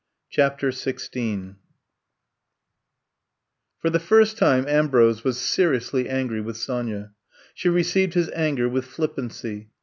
CHAPTER XVI FIB the first time Ambrose was seri ously angry with Sonya. She re ceived his anger with flippancy.